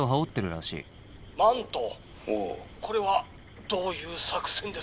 これはどういう作戦ですか？」。